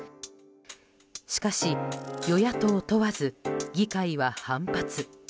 しかし、与野党問わず議会は反発。